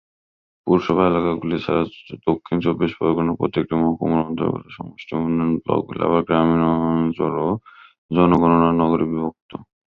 পুরসভা এলাকাগুলি ছাড়া দক্ষিণ চব্বিশ পরগনার প্রত্যেকটি মহকুমার অন্তর্গত সমষ্টি উন্নয়ন ব্লকগুলি আবার গ্রামীণ অঞ্চল ও জনগণনা নগরে বিভক্ত।